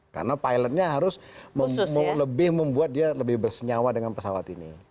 karena pilotnya harus lebih membuat dia lebih bersenyawa dengan pesawat ini